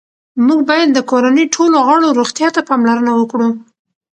موږ باید د کورنۍ ټولو غړو روغتیا ته پاملرنه وکړو